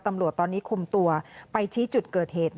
ตำรวจตอนนี้คุมตัวไปชี้จุดเกิดเหตุ